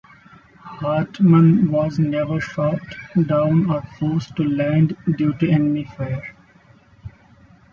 Hartmann was never shot down or forced to land due to enemy fire.